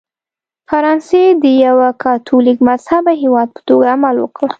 فرانسې د یوه کاتولیک مذهبه هېواد په توګه عمل وکړ.